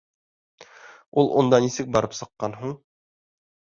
— Ул унда нисек барып сыҡҡан һуң?